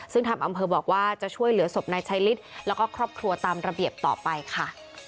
ซึ่งทางอำเภอบอกว่าจะช่วยเหลือศพนายชายฤทธิ์แล้วก็ครอบครัวตามระเบียบต่อไปค่ะ